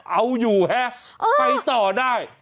เอาอยู่ฮะไปต่อได้